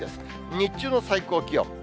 日中の最高気温。